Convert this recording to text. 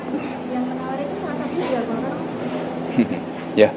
yang penawar itu sangat sangat juga bukan